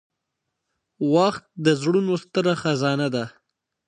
• وخت د زړونو ستره خزانه ده.